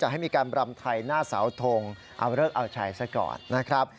ให้มีการบรำไทยหน้าเสาทงเอาเลิกเอาชัยซะก่อนนะครับ